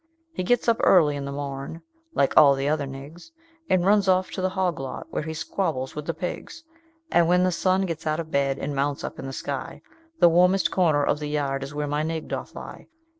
"He gets up early in the morn, like all the other nigs, And runs off to the hog lot, where he squabbles with the pigs And when the sun gets out of bed, and mounts up in the sky, The warmest corner of the yard is where my nig doth lie.